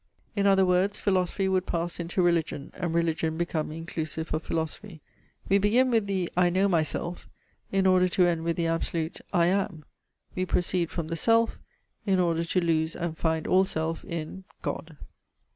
In other words, philosophy would pass into religion, and religion become inclusive of philosophy. We begin with the I KNOW MYSELF, in order to end with the absolute I AM. We proceed from the SELF, in order to lose and find all self in GOD.